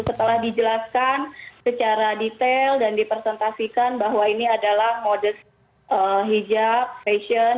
setelah dijelaskan secara detail dan dipresentasikan bahwa ini adalah modus hijab fashion